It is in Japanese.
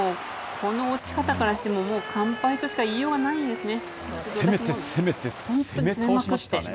もうこの落ち方からしても、もう完敗としか言いようがないんですよね。